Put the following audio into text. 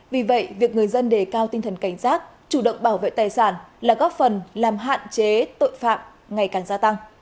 vì vậy việc người dân đề cao tinh thần cảnh giác chủ động bảo vệ tài sản là góp phần làm hạn chế tội phạm ngày càng gia tăng